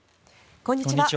こんにちは。